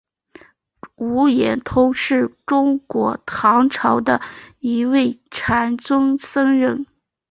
无言通是中国唐朝的一位禅宗僧人。